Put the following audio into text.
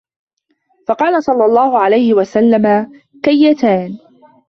فَقَالَ صَلَّى اللَّهُ عَلَيْهِ وَسَلَّمَ كَيَّتَانِ